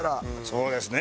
そうですね。